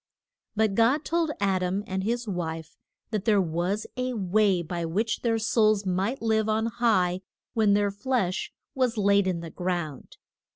But God told Ad am and his wife that there was a way by which their souls might live on high when their flesh was laid in the ground.